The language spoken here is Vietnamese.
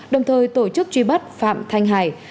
đồng thời tổ chức truy bắt phạm thanh hải